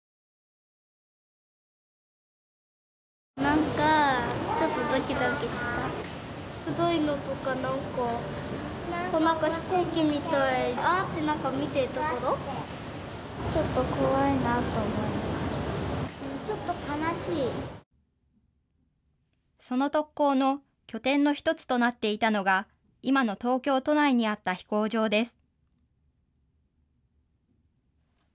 その特攻の拠点の１つとなっていたのが今の東京都内にあった飛行場です。